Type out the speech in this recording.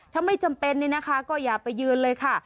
ถ้าไม่จำเป็นเนี่ยนะคะก็อย่าไปยืนเลยค่ะ